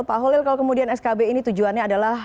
pak holil kalau kemudian skb ini tujuannya adalah